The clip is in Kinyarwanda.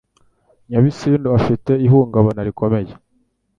Nyabisindu Afite ihungabana rikomeye